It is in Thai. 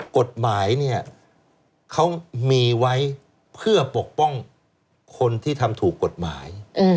กฎหมายเนี่ยเขามีไว้เพื่อปกป้องคนที่ทำถูกกฎหมาย